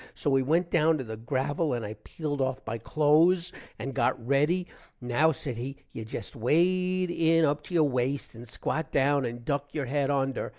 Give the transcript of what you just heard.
so we went down to the gravil and i peeled off my close and got ready, now said he, you jest wade in up to your waste and squat down and duck your head under.